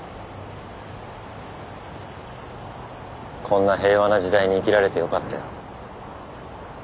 こんな平和な時代に生きられてよかったよ。